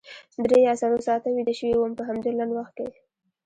درې یا څلور ساعته ویده شوې وم په همدې لنډ وخت کې.